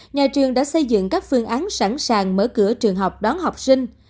nhà trường đã xây dựng các phương án sẵn sàng mở cửa trường học đón học sinh